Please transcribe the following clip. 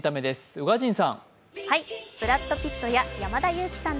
宇賀神さん。